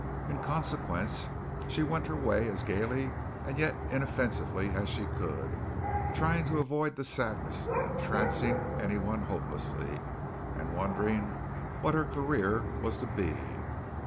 In consequence, she went her way as gaily and yet as inoffensively as she could, trying to avoid the sadness of entrancing anyone hopelessly and wondering what her career was to be.